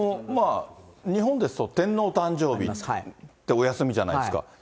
日本ですと天皇誕生日ってお休みじゃないですか。